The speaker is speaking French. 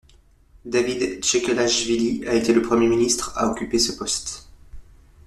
Davit Tkechelachvili a été le premier ministre à occuper ce poste.